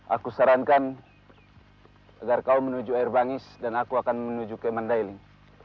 aku sarankan agar kau menuju air bangis dan aku akan menuju ke mandailing